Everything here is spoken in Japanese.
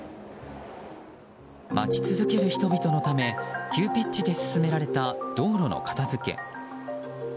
待ち続ける人々のため急ピッチで進められた道路の片づけ。